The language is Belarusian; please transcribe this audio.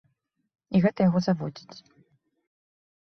І гэта яго заводзіць.